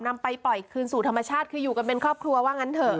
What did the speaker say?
นำไปปล่อยคืนสู่ธรรมชาติคืออยู่กันเป็นครอบครัวว่างั้นเถอะ